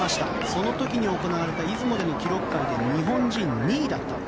その時に行われた出雲での記録会で日本人２位だった。